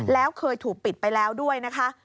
แล้วเคยถูกปิดไปแล้วด้วยนะคะ